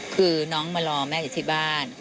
คือน้องมารอแม่อยู่ที่บ้าน